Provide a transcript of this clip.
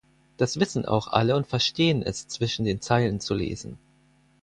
Das wissen auch alle und verstehen es, zwischen den Zeilen zu lesen.